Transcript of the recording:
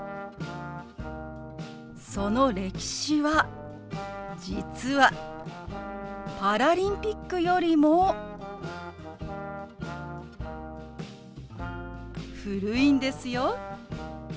その歴史は実はパラリンピックよりも古いんですよ。